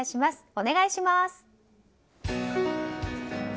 お願いします。